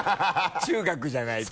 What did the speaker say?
中学じゃないと。